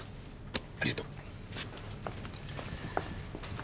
ありがとう。